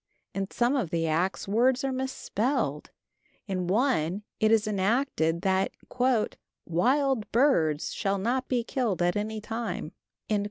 In some of the acts words are misspelled; in one it is enacted that "wild birds shall not be killed at any time."